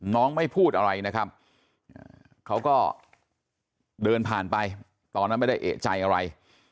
ไม่พูดอะไรนะครับเขาก็เดินผ่านไปตอนนั้นไม่ได้เอกใจอะไร